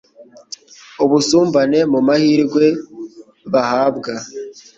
ubusumbane mu mahirwe bahabwa